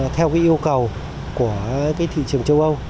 theo cái yêu cầu của cái thị trường châu âu